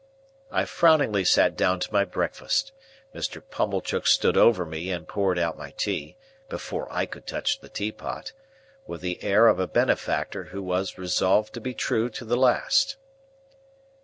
I frowningly sat down to my breakfast. Mr. Pumblechook stood over me and poured out my tea—before I could touch the teapot—with the air of a benefactor who was resolved to be true to the last.